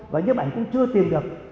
và nhếp ảnh cũng chưa tìm được